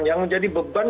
yang menjadi beban